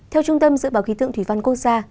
theo trung tâm dự báo khí tượng thủy văn quốc gia